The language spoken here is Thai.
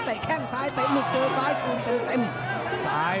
กาดเกมสีแดงเดินแบ่งมูธรุด้วย